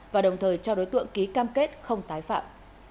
và đồng thời cho đối tượng ký cam kết không tái phạm